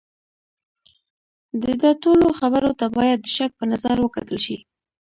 د ده ټولو خبرو ته باید د شک په نظر وکتل شي.